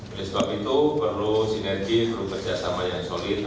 oleh sebab itu perlu sinergi perlu kerjasama yang solid